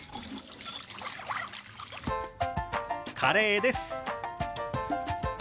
カレーです。